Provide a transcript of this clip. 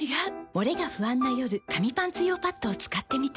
モレが不安な夜紙パンツ用パッドを使ってみた。